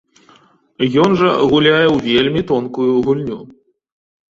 Ён жа гуляе ў вельмі тонкую гульню.